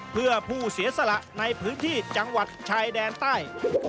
เพื่อผู้เสียสละในพื้นที่จังหวัดชายแดนใต้